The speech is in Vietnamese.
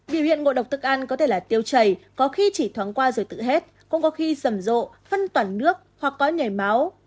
biểu hiện ngộ độc thức ăn có thể là tiêu chảy có khi chỉ thoáng qua rồi tự hết cũng có khi rầm rộ phân toản nước hoặc có nhảy máu